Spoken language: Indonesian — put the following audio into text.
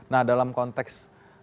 nah dalam konteks